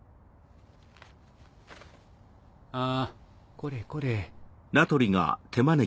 あこれこれ。